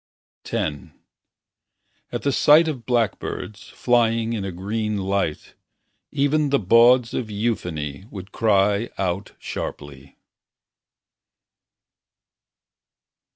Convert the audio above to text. X At the sight of blackbirds Flying in a green light Even the bawds of euphony Would cry out sharply.